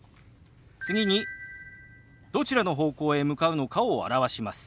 次にどちらの方向へ向かうのかを表します。